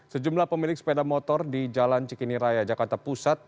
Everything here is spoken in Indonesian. sejumlah pemilik sepeda motor di jalan cikini raya jakarta pusat